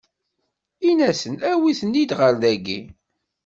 Inna-asen: Awit-ten-id ɣer dagi!